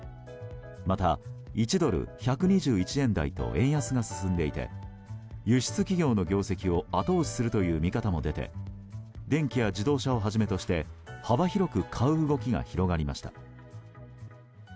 また、１ドル＝１２１円台と円安が進んでいて輸出企業の業績を後押しするという見方も出て電機や自動車をはじめとして幅広く買う動きが広がりました。